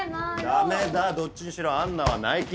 ダメだどっちにしろアンナは内勤。